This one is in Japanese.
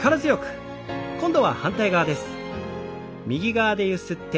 今度は反対側です。